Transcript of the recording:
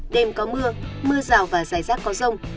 đêm có mưa mưa rào và rải rác có rông